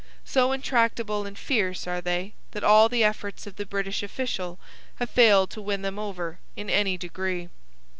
So intractable and fierce are they that all the efforts of the British official have failed to win them over in any degree.